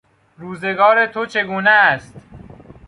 روزگار تو چگونه است؟